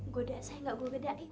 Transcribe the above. godain saya gak gue beda ki